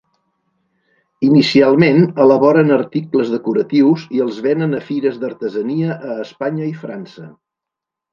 Inicialment elaboren articles decoratius i els venen a fires d'artesania a Espanya i França.